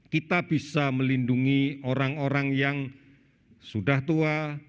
kita bisa melindungi orang orang yang sudah tua